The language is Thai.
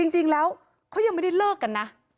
จริงแล้วเขายังไม่ได้เลิกกันนะ